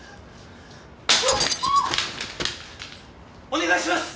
お願いします！